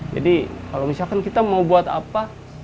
jadi kalau misalkan kita mau buat apa